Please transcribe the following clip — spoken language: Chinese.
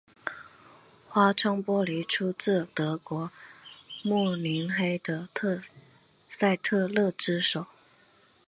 花窗玻璃出自德国慕尼黑的赛特勒之手。